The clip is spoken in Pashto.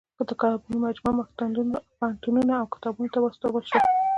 د کتابونو مجموعه پوهنتونونو او کتابتونو ته واستول شوه.